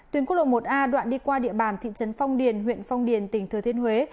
tuyến quốc lộ một a đoạn đi qua địa bàn thị trấn phong điền huyện phong điền tỉnh thừa thiên huế